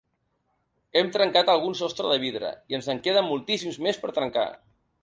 Hem trencat algun sostre de vidre i ens en queden moltíssims més per trencar.